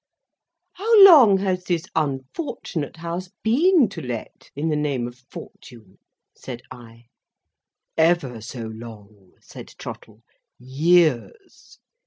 "How long has this unfortunate House been to let, in the name of Fortune?" said I. "Ever so long," said Trottle. "Years."